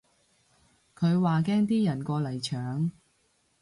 佢話驚啲人過嚟搶